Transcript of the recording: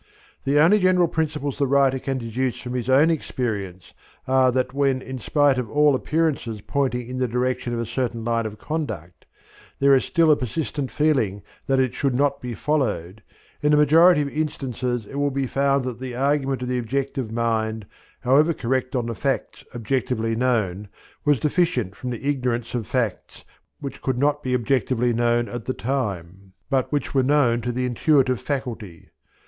The only general principles the writer can deduce from his own experience are that when, in spite of all appearances pointing in the direction of a certain line of conduct, there is still a persistent feeling that it should not be followed, in the majority of instances it will be found that the argument of the objective mind, however correct on the facts objectively known, was deficient from ignorance of facts which could not be objectively known at the time, but which were known to the intuitive faculty.